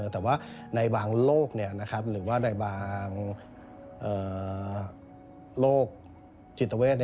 แต่ว่าในบางโรคหรือว่าในบางโรคจิตเวท